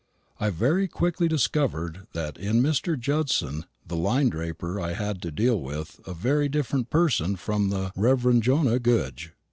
I very quickly discovered that in Mr. Judson the linen draper I had to deal with a very different person from the Rev. Jonah Goodge.